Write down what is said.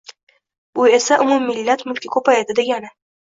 Bu esa umummillat mulki ko‘payadi degani.